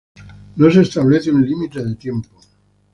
No se establece un límite de tiempo.